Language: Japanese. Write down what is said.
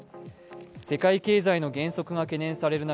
世界経済の減速が懸念される